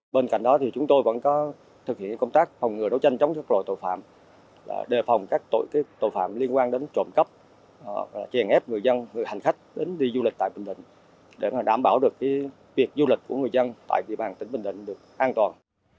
bên cạnh đó thì chúng tôi vẫn có thực hiện công tác phòng ngừa đấu tranh chống các loại tội phạm đề phòng các tội phạm liên quan đến trộm cắp triển ép người dân người hành khách đến đi du lịch tại bình định để đảm bảo được việc du lịch của người dân tại địa bàn tỉnh bình định được an toàn